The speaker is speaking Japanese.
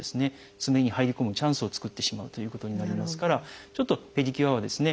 爪に入り込むチャンスを作ってしまうということになりますからちょっとペディキュアはですね